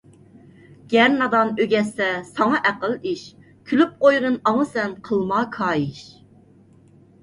گەر نادان ئۆگەتسە ساڭا ئەقىل – ئىش، كۈلۈپ قويغىن ئاڭا سەن قىلما كايىش.